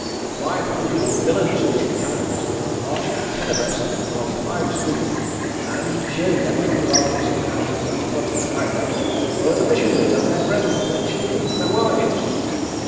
Five hundred villainous looking cannibals marching ten abreast along a fine street, and, cheering them from the balconies of the houses that fronted on the highway, were the missionaries and their friends and their children and their wives.